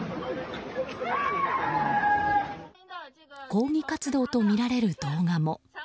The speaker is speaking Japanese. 抗議活動とみられる動画も。